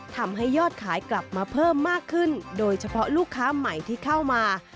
ทำให้ยอดขายกลับมาเพิ่มมากขึ้นโดยเฉพาะลูกค้าใหม่ที่เข้ามา